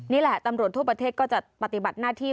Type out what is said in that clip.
นี่แหละตำรวจทั่วประเทศก็จะปฏิบัติหน้าที่